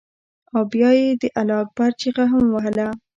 او بيا به یې د الله اکبر چیغه هم وهله.